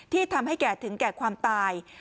ทำให้แก่ถึงแก่ความตาย